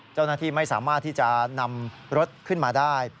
เจ้าหน้าที่ไม่สามารถที่จะนำรถขึ้นมาได้